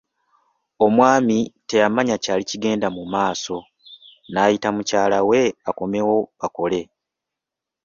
Omwami teyamanya kyali kigenda mu maaso, n'ayita mukyala we akomewo bakole.